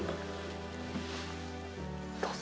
どうぞ。